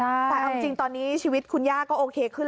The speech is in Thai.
แต่เอาจริงตอนนี้ชีวิตคุณย่าก็โอเคขึ้น